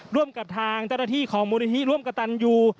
ร่วมกับทางเจ้าหน้าที่ของมูลนิธิร่วมกระตันยู